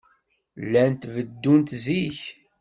Llant beddunt zik.